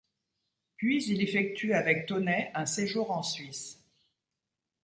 Puis il effectue avec Taunay un séjour en Suisse.